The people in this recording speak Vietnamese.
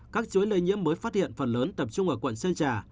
các chối lây nhiễm mới phát hiện phần lớn tập trung ở quận sơn trà